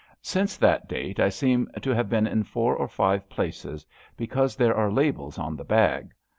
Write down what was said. Since that date I seem to have been in four or five places, because there are labels on the bag.